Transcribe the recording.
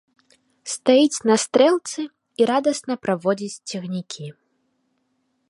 Стаіць на стрэлцы і радасна праводзіць цягнікі.